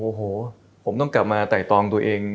โอ้โหผมต้องกลับมาไต่ตองตัวเอง